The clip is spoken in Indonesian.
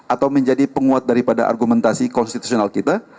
atau menjadi penguat daripada argumentasi konstitusi